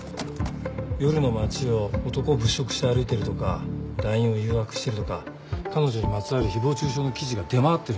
夜の街を男を物色して歩いてるとか団員を誘惑してるとか彼女にまつわる誹謗中傷の記事が出回ってるんだよ。